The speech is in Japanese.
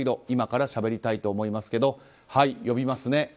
今からしゃべりたいと思いますけどはい、呼びますね。